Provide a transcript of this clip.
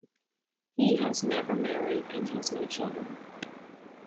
He has never married and has no children.